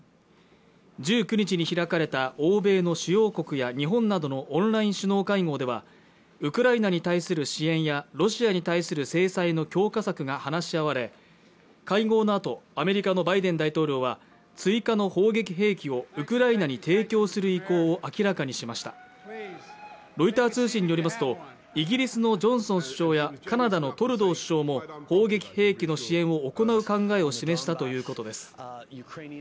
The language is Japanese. １９日に開かれた欧米の主要国や日本などのオンライン首脳会合ではウクライナに対する支援やロシアに対する制裁の強化策が話し合われ会合のあとアメリカのバイデン大統領は追加の砲撃兵器をウクライナに提供する意向を明らかにしましたロイター通信によりますとイギリスのジョンソン首相やカナダのトルドー首相も砲撃兵器の支援を行う考えを示したということです